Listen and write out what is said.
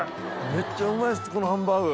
めっちゃうまいですこのハンバーグ！